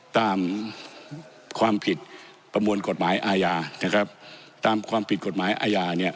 ตามความผิดประมวลกฎหมายอาญานะครับตามความผิดกฎหมายอาญาเนี่ย